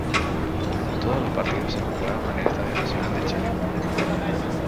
Todos los partidos se jugaron en el Estadio Nacional de Chile.